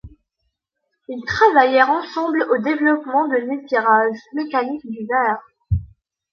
Ils travaillèrent ensemble au développement de l'étirage mécanique du verre.